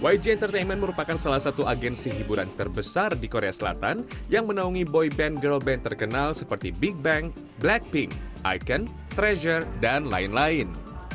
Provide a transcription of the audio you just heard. yg entertainment merupakan salah satu agensi hiburan terbesar di korea selatan yang menaungi boy band girl band terkenal seperti big bang blackpink icon treasure dan lain lain